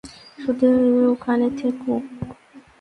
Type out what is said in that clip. শুধু ওখানে থেকো।